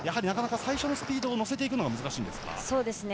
なかなか最初のスピードに乗せていくのが難しいですか。